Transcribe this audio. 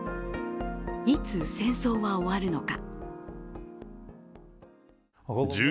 いつ、戦争は終わるのか。